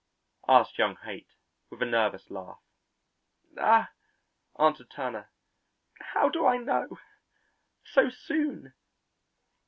asked young Haight with a nervous laugh. "Ah," answered Turner, "how do I know so soon!"